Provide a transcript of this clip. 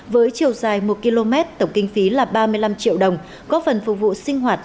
với chiều dài một km tổng kinh phí là ba mươi năm triệu đồng góp phần phục vụ sinh hoạt